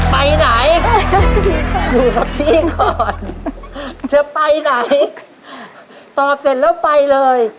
ไปไหนอยู่กับพี่ก่อนจะไปไหนตอบเสร็จแล้วไปเลย